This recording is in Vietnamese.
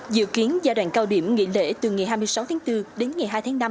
dự kiến giai đoạn cao điểm nghỉ lễ từ ngày hai mươi sáu bốn đến ngày hai năm